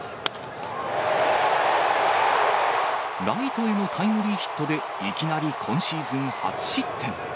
ライトへのタイムリーヒットで、いきなり今シーズン初失点。